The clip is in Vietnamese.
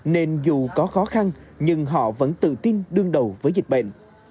nên dù có khó khăn nhưng họ vẫn tự tin đương đầu với dịch bệnh